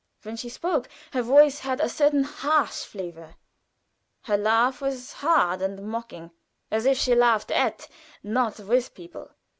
When she spoke, her voice had a certain harsh flavor; her laugh was hard and mocking as if she laughed at, not with, people.